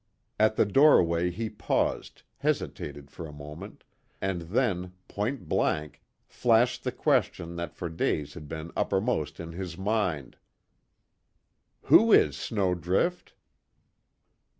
At the doorway he paused, hesitated for a moment, and then, point blank, flashed the question that for days had been uppermost in his mind: "Who is Snowdrift?"